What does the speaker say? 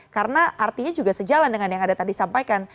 karena artinya juga sejalan dengan yang ada tadi sampaikan